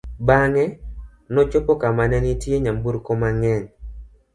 bang'e nochopo kama ne nitie nyamburko mang'eny